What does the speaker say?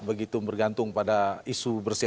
begitu bergantung pada isu bersih